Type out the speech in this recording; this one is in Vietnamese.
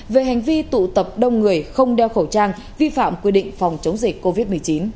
về hành vi tụ tập đông người không đeo khẩu trang vi phạm quy định phòng chống dịch covid một mươi chín